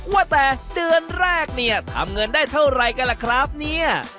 ว่าแต่เดือนแรกเนี่ยทำเงินได้เท่าไรกันล่ะครับเนี่ย